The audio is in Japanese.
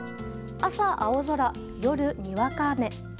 朝、青空夜、にわか雨。